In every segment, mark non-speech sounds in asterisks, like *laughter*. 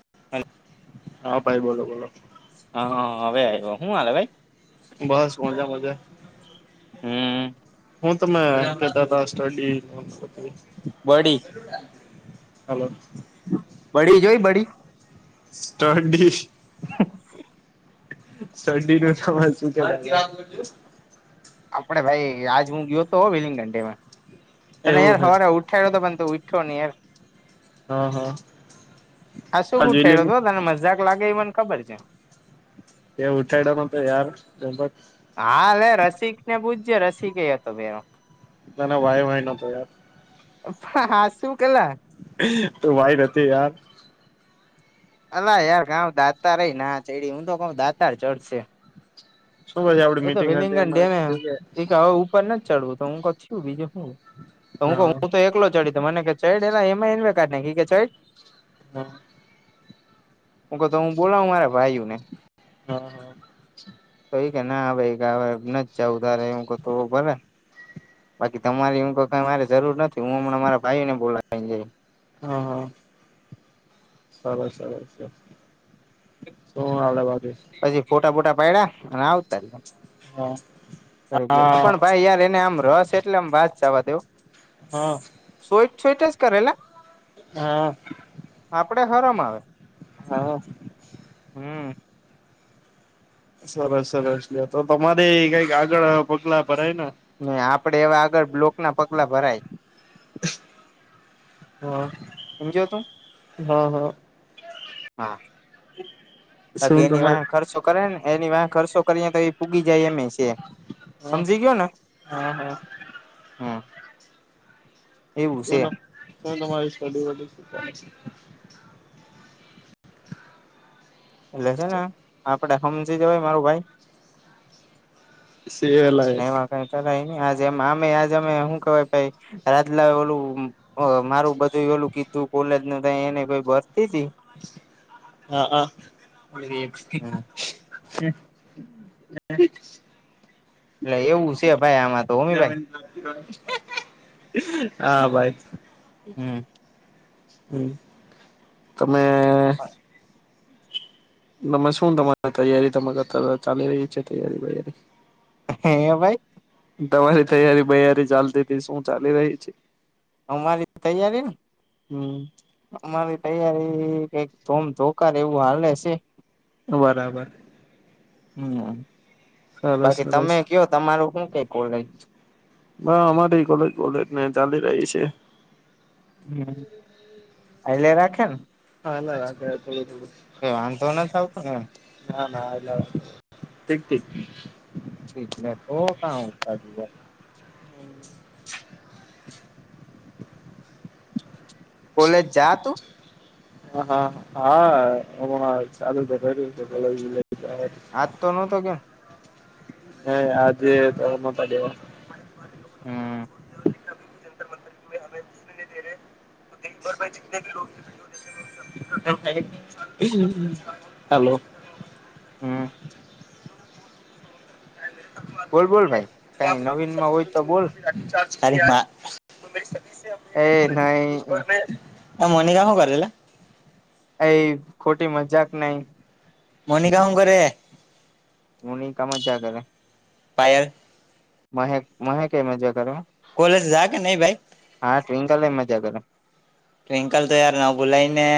*inaudible* હા, ભાઈ બોલો, બોલો. હા હા અવે આયવો હું હાલે ભાઈ બસ મજા મજા હમમ હું તમે એમ કેતા તા સ્ટડી બડી હલો. બડી જોઈ બડી સ્ટડી *inaudible* શરડી નો સવાજ શું કયો આપડે ભાઈ આજ હું ગયો તો હો વેલિંગ ઘંટી માં તને એવું યાર હે હવારે ઉઠાયડો તો પણ તું ઉયઠો નહી યાર હા હા હા આ શુક ઉઠાયડો જુલિન તો તને મજાક લાગે એ મન ખબર છે એ ઉઠાયડો નતો યાર હા એલે રસિક ને પૂજજ રસીક એ હતો ભેનો ના ના વાય વાય નતો યાર હાસુકલા તો વાઈટ હતી યાર અલા યાર કાઉ દાતાર એય ના ચડી હું તો કઉ દાતાર ચડશે શું પછી આપડી એકા મીટિંગ હતી વેલીંગન ડે એમાં મે થયું મે કે હવ ઉપર નથ ચડવું તો હું કવ સુ બીજું હું તો હું કવ હા હું તો એકલો ચડી તો મને કે ચૈડ એલા હ એમા એનું હે કે કાઢ નાખી એ કે ચઢ હા હું કો તો હું બોલાવુ મારા ભાઈઓ ને હા હા તો એ કે ના ભાઈ કા અવે નથ જાવું તારે એમ કો તો ભલે બાકી તમારી એમ તો કઈ મારે જરૂર નથી હું હમણાં મારા ભાઈઓ ને બોલાઈન જઈશ હા હા સરસ સરસ છે શું આવડે બાજુ પછી ફોટા ફોટા પાયડા અન આવતા રયા હ થઈ *inaudible* ગઈ *inaudible* આ પણ ભાઈ યાર એને આમ રસ એટલે આમ વાત જાવા દયો હા છોઈટ છોઈટ જ કરેલા હા આપડે હરમ આવે હા હમ સરસ સરસ લ્યો તો તમારે કઈક આગળ પગલા ભરાય ના ને આપડે એવા આગળ બ્લોક ના પગલા ભરાય હ સમજ્યો તું હા હા. હા બાકી શું એની તમારે વાહે ખર્ચો કરે ને એની વાહે ખર્સો કરીએ તો એ પૂગી જાય અમે છે હા સમજી ગયો ને હા હા હમ એવું છે શું શું તમારી સ્ટડી બ એટલે છે ને આપડે સમજી જવાય મારું ભાઈ સેલા એમાં કઈ ચય ન આજમમે આજ અમે શું કહવાય રાજલા ઓલું હ મારું બધું એલું કીધું કોલેજ ન એને ભરતી જ હા હા હ *unintelligible* *inaudible* એટલે એવું છે ભાઈ આમાં તો હોમી ભાઈ નન હા ભાઈ હમ. હમ તમે તમે શું તમારે તૈયારી ત અત ચાલી રહી છે તૈયારી વૈયારી હે ભાઈ. તમારી તૈયારી બૈયારી ચાલતી હતી શું ચાલી રહી છે. અમારી તૈયારીને હમ અમારી તૈયારી કઈક ધમ ધોકાર એવું હાલે છે. બરાબર. હમ સરસ બાકી તમે સરસ કયો તમારું શું કઈ કોલે બ અમારી કોલેજ બોલેજ ને ચાલી રહી છે. હમ એલે રાખે હાલ્ય રાખે થોડું થોડું. કે વાંધો નથી આવતો મ ના ના એલા ઠીક ઠીક *unintelligible* શીકલે તો કં દીજ કોલેજ જા તું હા હા હા હ હમણાં ચાલુ તો કર્યું છે, *unintelligible* *inaudible* આજ તો નહતો કેમ હ આજે માંડવા *unintelligible* હા. *unintelligible* હાલો. હમ. બોલ બોલ ભાઈ કઈ નવીન માં હોય તો બોલ એ નહી અ મોનિકા શુ કરી લા. એ ખોટી મજાક નઈ. મનિકા હું કરરે મોનિકા મજા કરે. પાયલ. મહેક મહેક એ મજા કરે હ કોલેજ જા કે નઈ ભાઈ હા ટ્વિંકલે મજા કરે. ટ્વિંકલ તોયાર ન બુલાઈને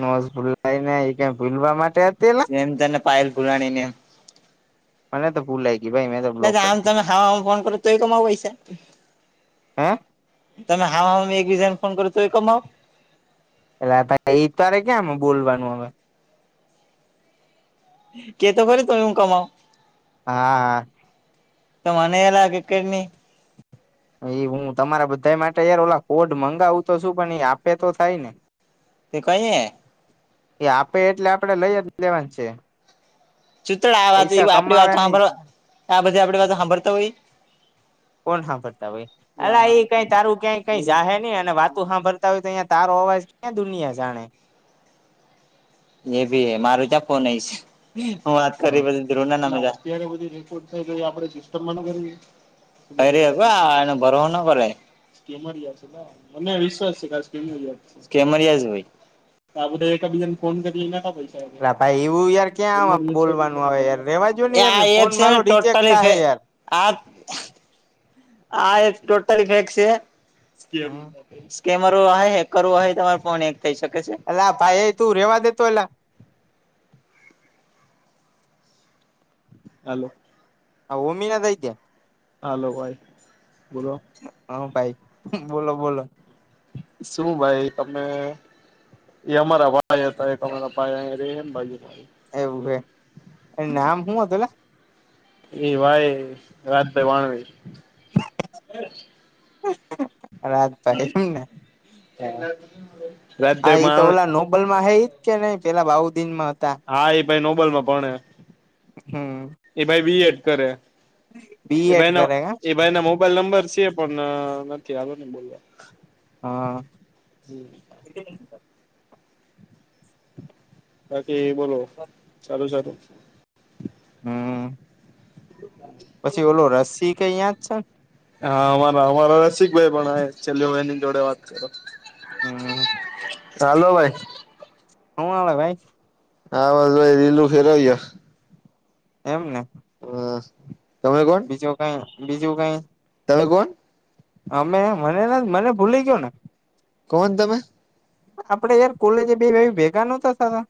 નોસ ભૂલાએ ને એ કાઇ ભૂલવા મા જેમ તને પાયલ ભુરાણી ને મને તો ભૂલાઈ છે. દા આમ તમે હાવ આન ફોન કરો તોય કમાવ પૈસા હે તમે હાવ આમ એકબીજાને ફોન કરો તો એ કમાવો. એટલે એ તરે ક્યાં બોલવાનું હવે. કેતો ખરી ત એવું કમાવ. હા હા. તો મને એલા કે કેટની એ હું તમારા બધા માટે યાર ઓલા કોડ મંગાવું તો છું પણ એ આપે તો થાય ને તે કહી એ આપે એટલે આપડે લઈ જ લેવા છે. ચૂત આ વાત પૈસા આપણી વાતો કમાવાની સાંભળ આ બધી આપડી વાતો સાંભરતા હોય કોણ સાાભરતા હો એ એ કઈ તારું ક્યાંય કઈ જાહેર નહી અને વાતું સાાભર. ય તો તહીં તારો અવાજ ક્યાં દુનિયા જાણે. એ ભી હ મારું ત્યાં ફોન નઈ છે હું વાત કરી. ના હા ર થ આપણે સિસ્ટમ ફરી આ એ ભરોહો નો કરાય. કેમરિયા છે મને વિશ્વાસ છે કેમર કેમરિયા છે ભાઈ. આ બધા એકબીજાને ફોન કરીને હતા પછ ભાઈ એવું યાર ક્યાં આમાં બોલવાનું આવે યાર રેવા જો ને યાર આ ફોન છે ને મારો રિજેક્ટ ટોટલી થાહે યાર આ આ ટોટલી ફેક છે. સ્કેનરો હોય હેકર હોય તમારે ફોન હેક થઈ શકે છે. હ ભાઈ તું રેવા દતો એલા. હાલો. હ ઓમિનદઈ્યા. હાલો ભાઈ બોલો. હા ભાઈ બોલો બોલો. શું ભાઈ તમે એ અમારા ભાઈ હતા એક અમારા ભાઈ એમ બાજુ. એવું હે નામ શું હતું લા. એ ભાઈ રાતભાઈ વાવણી. રાતભાઈને. એ હા એ તો ઓલા નોબલ માં હૈ જ કે નહી પેલા બાઉદદીન માં હા એ ભાઈ નોબેલમાં ભણે હમ એ ભાઈ બી એડ કરે. બી એ એડ ભાઈ ના કરે હે એમ. એ ભાઈ ના મોબાઈલ નંબર છે પણ નથી આવ્યો ને બોલવા. હા. બાકી બોલો ચાલું ચાલું. હમ્મ પછી ઓલો એરિક કઈ યાં જ છે ને. હા અમારા અમારા રસિક ભાઈ પણ છે લ્યો એ ની જોડે વાત કરો હમ હાલો ભાઈ. અ ભાઈ. આ વાજ ભાઈ લીલું ફેરવયો. એમને હા તમે કોણ? બીજું કઈ બીજું કઈ. તમે કોણ? અમે મને ને મને ભૂલી ગયો ને. કોન તમે? આપડે યાર કોલેજ બે ભેગા ન થતા તા.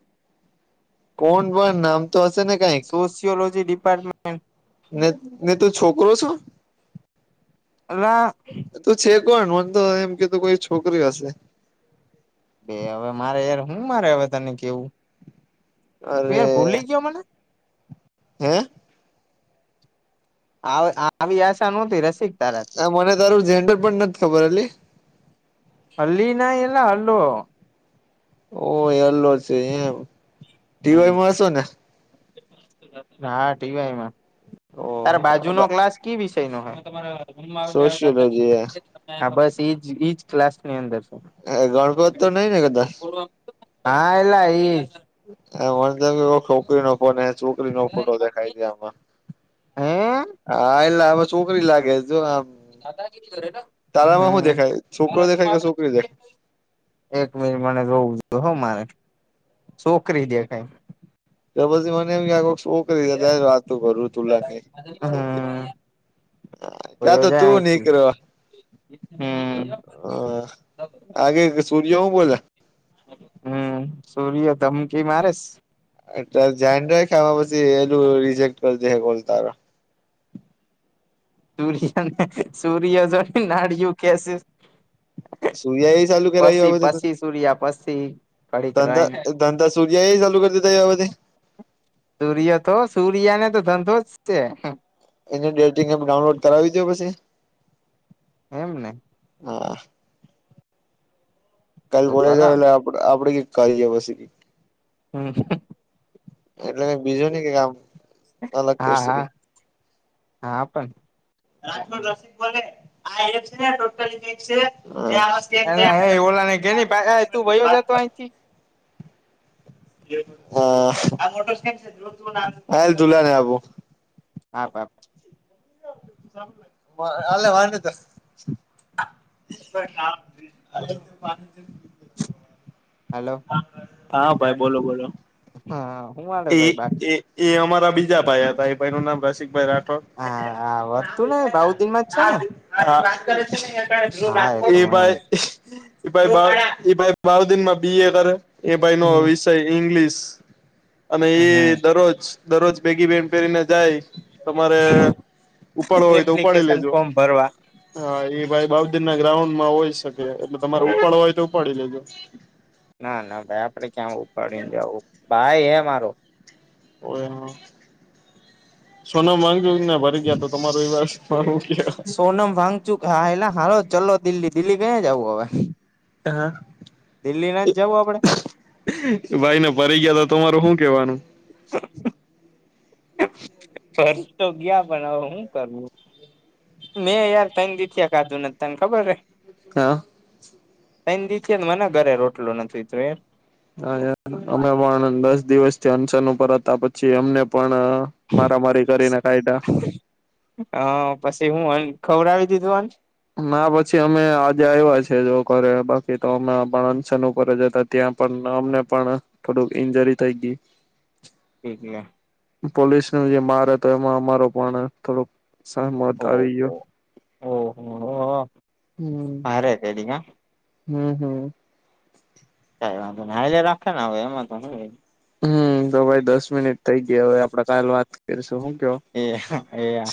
કોણ પણ નામ તો હશે ને કઈક? જુ લોજી ડિપાર્ટમેન્ટ. ને ને તું છોકરો છું. આલા તો છે કોણ મને તો એમ કેતો કોઈ છોકરી હશે બે હવે મારે યાર હું મારે હવે તને કેવું ત અરે યાર ભૂલી ગયો મને હે. આવી આશા નહતી રસિક. તારાથી આ મને તારું ઝન્ડર પણ નથી ખબર હલી. અલી ના એલા અલો. ઓ એલો છે એમ હમ ટીવાયમાં હસો ને હા ટીવાયમાં ઓ તારે બાજુ નો ક્લાસ કી વિષય નો હે મમ્ સોશિયોલોજી દાદા હા બસ એજ ઈજ ક્લાસ ની અંદર છે એ ગણપતિ તો નઈ ને કદાચ હા એલા એઈ હ મને તો છોકરી નો ફોન છોકરી નો ફોટો દેખાઈ ગયા આમાં હે હા એટલે હવે છોકરી લાગે જો આમ *unintelligible* તારામાં શું હમ દેખાય છોકરો દેખાય કે છોકરી દેખાય એક મિનિટ મને જોવું જો હ મારે છોકરી દેખાય તો પછી મને એમ આ વાતુ કરી ત વાત કરરું તુલા ભયો જાય અહીથી હમ હ આગે સૂર્ય હું બોલા હમ સૂર્ય ધમકી મારેસ એટલે જન્ડ ખાવા પછી એલું રિજેક્ટ કરી દે બોલ તારો સૂર્યને સૂર્ય જો નાળિયું કેશ સુયા આવી પછી પછી સૂર્યા પછી ઘડીક રહીને ધંધા ધંધા સૂર્યા ચાલુ કરી દીધા હતા એધ સૂર્ય તો સૂર્ય ને તો ધંધો જ છે એને ડેટિંગ એપ ડાઉનલોડ કરાવી દો પછી એમ ને હ કા તો બોલા જ કરાવ આપ આપે કરી જછી હમ એટલે બીજું નઈ કે કામ હા હા હા પણ રાખોડ રસિક બોલે આ એક છે ટોટલ છે એના હ ઓલા ગેની ભ તું ભયો જતો અંથી *unintelligible* આપ આપ અલ વાન તો પા *unintelligible* હલો હા ભાઈ બોલો બોલો હા હું હાલે એ ભાઈ બાકી એ એ અમારા બીજા ભાઈ હતા એ ભાઈ નું નામ રસિક ભાઈ રાઠોડ હા આવ તું ને બઉ દિન માં જ છે ને હા કર છે હા તો એ ભાઈ એ મને ભાઈ એ ભાઈ બાર દિનમાં બી એ કરે એ ભાઈ નો હમ વિષય ઈંગ્લિશ અને એ દરરોજ દરરોજ ભેગી બેહેન પહેરીને જાય તમારે ઉપાડો હોય તો ઉપાડી એપ્લિકેશન લેજો ફોર્મ ભરવા હા એ ભાઈ બાહુદર ના ગ્રાઉન્ડ માં હોય શકે એટલે તમારે ઉપાડ હોય તો ઉપાડી લેજો ના ના ભાઈ આપડે ક્યાં ઉપાડીને જવું ભાઈ હે મારો ઓ એ હ સોનમ વાંચુક ને ભરી ગયા તો તમારો એવા સોનમ વાગચુક હાએેલા હાલો ચલો દિલ્હી, દિલ્હી કયા જવું હવે હા. દિલ્હી નાથ જવું આપડે? ભાઈ ને ભરી ગયા તો તમારું શું કેવાનું? *inaudible* ફર્ચ તો ગયા પણ હવે હું કરવું. મેં યાર તન દી થી ખાધું નથી તને ખબર હે. હા. ત્રેણ દીથી એ મને ઘરે રોટલું નથી તું એમ હાયાર અમે પણ દસ દિવસ થી અનશન ઉપર હતા, પછી અમને પણ મારામારી કરીને કાયઢા હ પછી હું અન ખવરાવી દીધું અન. ના પછી અમે આજે આવ્યા છે જો ઘરે, બાકી તો અમે પણ અંશન ઉપર જ હતા. ત્યાં પણ અમને પણ થોડુંક ઈન્જરી થઈ થી. એટલે પોલીસને જે માર હતો, એમાં અમારો પણ થોડોક સહમત આવી ગયો. ઓહ હો ઓ હમ્મ હમ્મ હમ્મ કાઈ વાંધો નહિ, આજે રાખે ને હવે એમાં તો હુ એ હમ્મ તો ભાઈ દસ મિનિટ થઇ ગયા હવે આપડે કાલ વાત કરીશું, હુ કયો? એહા એહા